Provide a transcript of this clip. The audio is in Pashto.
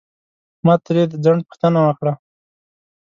ما ترې د ځنډ پوښتنه وکړه.